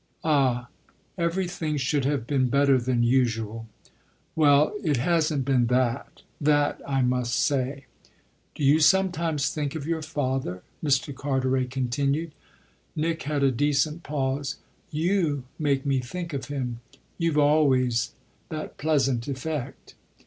"Ah everything should have been better than usual." "Well, it hasn't been that that I must say." "Do you sometimes think of your father?" Mr. Carteret continued. Nick had a decent pause. "You make me think of him you've always that pleasant effect."